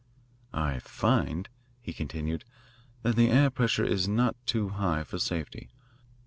"I find," he continued, "that the air pressure is not too high for safety.